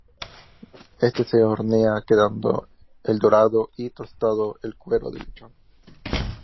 Este se hornea, quedando el dorado y tostado el cuero del lechón.